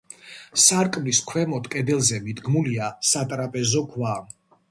სარკმლის ქვემოთ, კედელზე მიდგმულია სატრაპეზო ქვა.